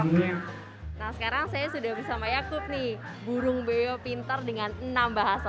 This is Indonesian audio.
nah sekarang saya sudah bersama yakut nih burung beo pintar dengan enam bahasa